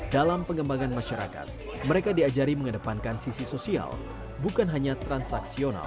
dalam pengembangan masyarakat mereka diajari mengedepankan sisi sosial bukan hanya transaksional